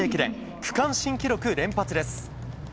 区間新記録連発です。